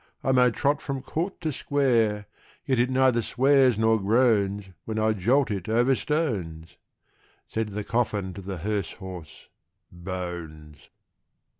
I may trot from court to square, Yet it neither swears nor groans, When I jolt it over stones." Said the coffin to the hearse horse, "Bones!"